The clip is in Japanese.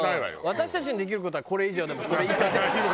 私たちにできる事はこれ以上でもこれ以下でも。